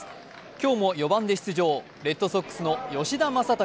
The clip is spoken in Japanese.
今日も４番で出場、レッドソックスの吉田正尚